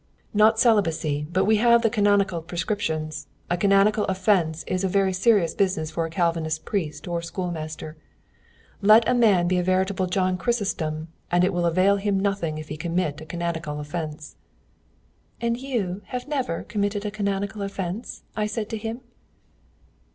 "'Not celibacy, but we have the canonical prescriptions. A canonical offence is a very serious business for a Calvinist priest or schoolmaster. Let a man be a veritable John Chrysostom, and it will avail him nothing if he commit a canonical offence.' "'And you have never committed a canonical offence?' I said to him.